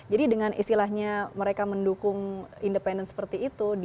jadi dengan istilahnya mereka mendukung independent seperti itu